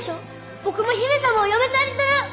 僕も姫様をお嫁さんにする！